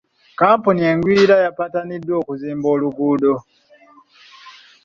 Kkampuni engwira yapataniddwa okuzimba oluguudo.